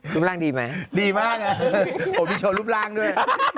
รูปร่างดีไหมดีมากผมมีโชว์รูปร่างด้วย